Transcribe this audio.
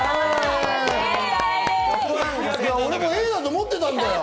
俺もＡだと思ってたんだよ！